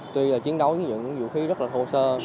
tuy là chiến đấu với những vũ khí rất là thô sơ